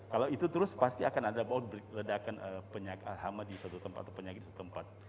kalau itu terus pasti akan ada bahwa ledakan alhama di suatu tempat atau penyakit di suatu tempat